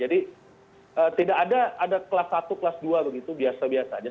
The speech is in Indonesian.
jadi tidak ada ada kelas satu kelas dua begitu biasa biasanya